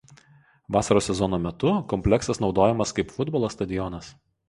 Vasaros sezono metu kompleksas naudojamas kaip futbolo stadionas.